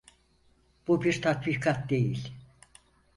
Bu bir tatbikat değil.